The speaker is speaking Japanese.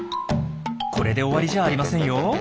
これで終わりじゃありませんよ。